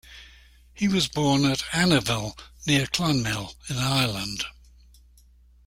He was born at Annerville, near Clonmel in Ireland.